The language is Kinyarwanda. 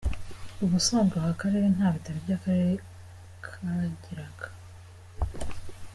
Ubusanzwe aka karere nta bitaro by’ akarere kagiraga.